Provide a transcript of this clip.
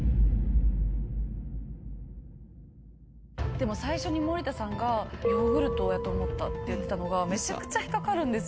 でも最初に森田さんが。って言ってたのがめちゃくちゃ引っ掛かるんですよ。